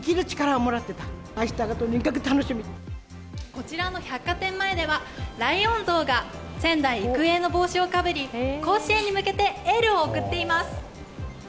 こちらの百貨店前ではライオン像が仙台育英の帽子をかぶり甲子園に向けてエールを送っています。